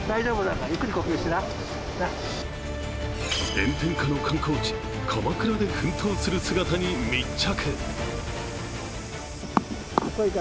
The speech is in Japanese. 炎天下の観光地・鎌倉で奮闘する姿に密着。